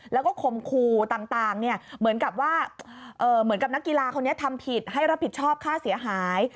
แล้วก็คมคู่ต่างเหมือนกับว่าเหมือนกับนักกีฬาคนนี้ทำผิดให้รับผิดชอบค่าเสียหาย